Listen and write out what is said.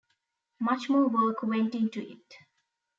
Much more work went into it.